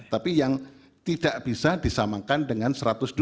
tapi yang tidak bisa disamakan dengan satu ratus dua puluh